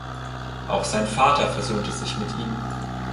Auch sein Vater versöhnte sich mit ihm.